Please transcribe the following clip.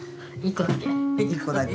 １個だけ。